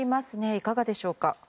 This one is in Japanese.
いかがでしょうか。